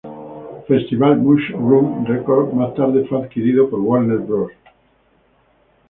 Festival Mushroom Records más tarde fue adquirida por Warner Bros.